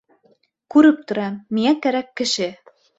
Күреп торам: миңә кәрәк кеше.